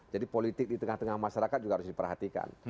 jadi politik di tengah tengah masyarakat juga harus diperhatikan